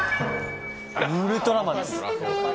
ウルトラマンです。